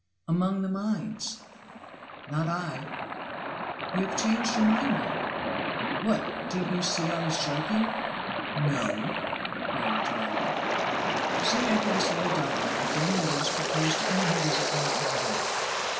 "Among the mines." "Not I." "You have changed your mind, then?" "What, didn't you see I was joking?" "No!" (very dryly.) Soon after this little dialogue Dame Meadows proposed to end her visit and return home.